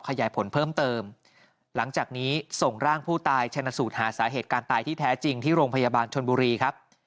ขยายผลเพิ่มเติมหลังจากนี้ส่งร่างผู้ตายชนะสูตรหาสาเหตุการณ์ตายที่แท้จริงที่โรงพยาบาลชนบุรีครับ